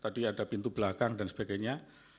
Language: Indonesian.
tadi ada pintu belakang dan sebagainya